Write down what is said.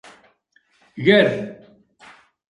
Ger